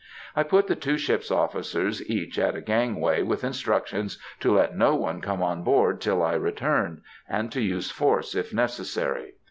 I put the two ship's officers each at a gangway, with instructions to let no one come on board till I returned, and to use force, if necessary.